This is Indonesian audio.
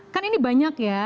kan ini banyak ya